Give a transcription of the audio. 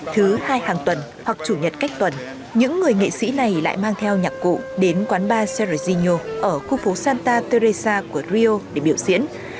thứ hai hàng tuần hoặc chủ nhật cách tuần những người nghệ sĩ này lại mang theo nhạc cụ đến quán ba serieso ở khu phố santa terresa của rio để biểu diễn